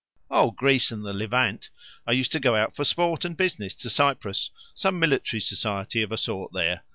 "Oh, Greece and the Levant. I used to go out for sport and business to Cyprus; some military society of a sort there.